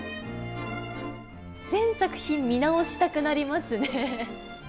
全作品見直したくなりますね。